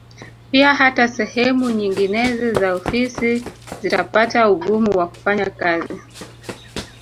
Pia hata sehemu nyinginezo za ofisi zitapata ugumu wa kufanya kazi